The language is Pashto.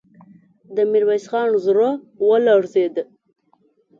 د ميرويس خان زړه ولړزېد.